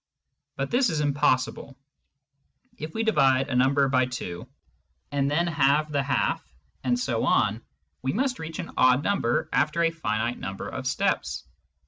But this is impossible ; if we divide a number by 2, and then halve the half, and so on, we must reach an odd number after a finite number of steps.